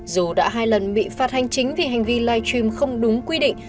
dù đã hai lần bị phạt hành chính vì hành vi live stream không đúng quy định